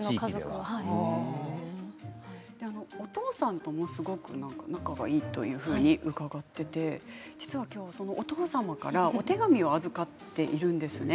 お父さんともすごく仲がいいと伺っていて実は今日そのお父様からお手紙を預かっているんですね。